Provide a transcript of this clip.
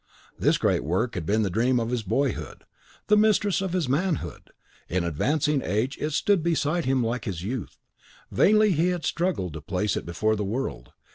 This great work had been the dream of his boyhood, the mistress of his manhood; in advancing age "it stood beside him like his youth." Vainly had he struggled to place it before the world.